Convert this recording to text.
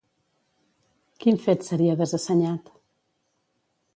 Quin fet seria desassenyat?